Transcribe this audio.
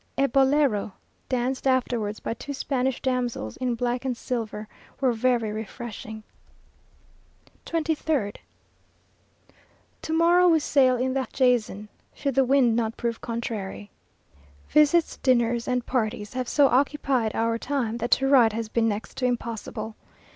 A bolero, danced afterwards by two Spanish damsels in black and silver, was very refreshing. 23rd. To morrow we sail in the Jason, should the wind not prove contrary. Visits, dinners, and parties have so occupied our time, that to write has been next to impossible.